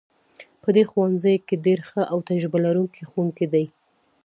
په دې ښوونځي کې ډیر ښه او تجربه لرونکي ښوونکي دي